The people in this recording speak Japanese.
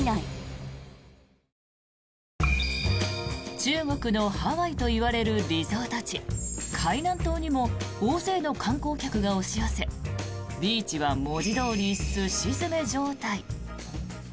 中国のハワイといわれるリゾート地、海南島にも大勢の観光客が押し寄せビーチは文字どおりすし詰め状態。